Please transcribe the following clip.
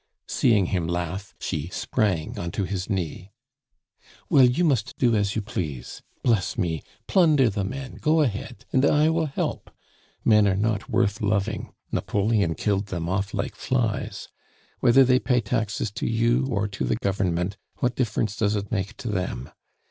Seeing him laugh, she sprang on to his knee. "Well, you must do as you please! Bless me! plunder the men go ahead, and I will help. Men are not worth loving; Napoleon killed them off like flies. Whether they pay taxes to you or to the Government, what difference does it make to them?